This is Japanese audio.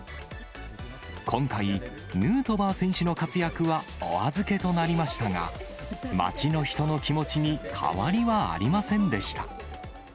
今回、ヌートバー選手の活躍はお預けとなりましたが、街の人の気持ちに、変わりはありませんでした。